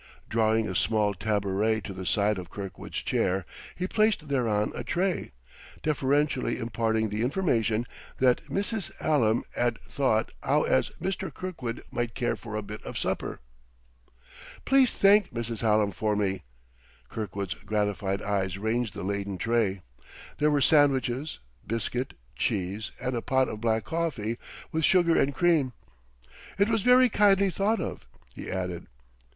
Drawing a small taboret to the side of Kirkwood's chair, he placed thereon a tray, deferentially imparting the information that "Missis 'Allam 'ad thought 'ow as Mister Kirkwood might care for a bit of supper." "Please thank Mrs. Hallam for me." Kirkwood's gratified eyes ranged the laden tray. There were sandwiches, biscuit, cheese, and a pot of black coffee, with sugar and cream. "It was very kindly thought of," he added.